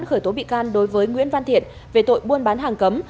khởi tố bị can đối với nguyễn văn thiện về tội buôn bán hàng cấm